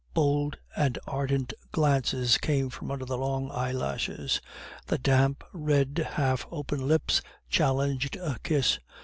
Bold and ardent glances came from under the long eyelashes; the damp, red, half open lips challenged a kiss.